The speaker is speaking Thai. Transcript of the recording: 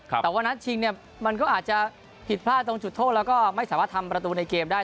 แต่ว่านัดชิงเนี่ยมันก็อาจจะผิดพลาดตรงจุดโทษแล้วก็ไม่สามารถทำประตูในเกมได้